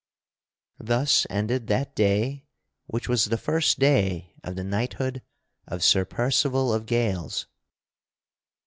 Thus ended that day which was the first day of the knighthood of Sir Percival of Gales.